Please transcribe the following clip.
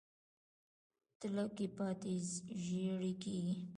تله کې پاڼې ژیړي کیږي.